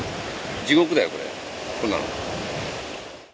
地獄だよ、これ、こんなの。